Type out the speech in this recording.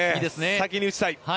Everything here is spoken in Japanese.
先に打ちたい。